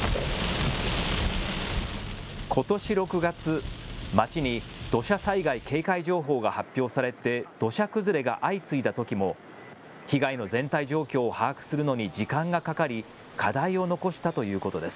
ことし６月、町に土砂災害警戒情報が発表されて土砂崩れが相次いだときも被害の全体状況を把握するのに時間がかかり課題を残したということです。